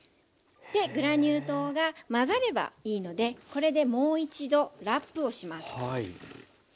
グラニュー糖が混ざればいいのでこれでもう一度ラップをします。